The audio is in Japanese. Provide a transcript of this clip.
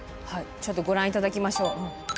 ちょっとご覧頂きましょう。